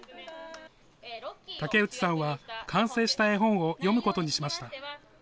竹内さんは、完成した絵本を読むことにしました。